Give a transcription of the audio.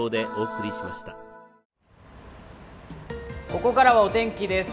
ここからはお天気です。